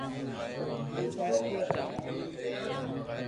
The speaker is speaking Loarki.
ايم ڪو ڪري ڪو آ سھي ڪوئي ني